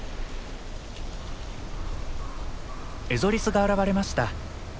エゾリスが現れました。